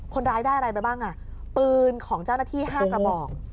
คนร้ายได้อะไรไปบ้างอ่ะปืนของเจ้าหน้าที่๕กระบอก